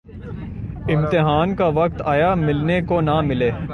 امتحان کا وقت آیا‘ ملنے کو نہ ملے۔